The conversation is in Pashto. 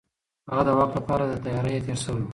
هغه د واک لپاره له تيارۍ تېر شوی و.